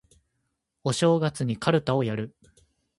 お正月にかるたをやる